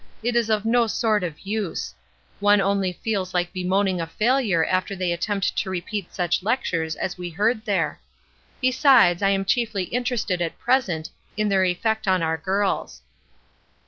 It is of no sort of use. One only feels like bemoaning a failure after any attempt to repeat such lectures as we heard there. Besides, I am chiefly interested at present in their effect on our girls.